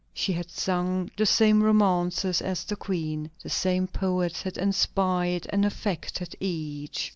She had sung the same romances as the Queen. The same poets had inspired and affected each.